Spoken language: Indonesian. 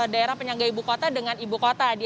daerah penyangga ibu kota dengan ibu kota